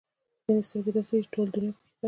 ځینې سترګې داسې دي چې ټوله دنیا پکې ښکاري.